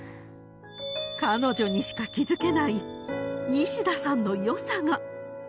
彼女にしか気づけないニシダさんの良さが。